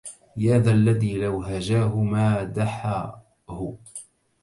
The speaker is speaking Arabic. يا ذا الذي لو هجاه مادحه